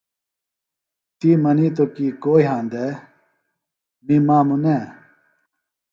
تی منِیتوۡ کیۡ کو یھاندے، می ماموۡ نئے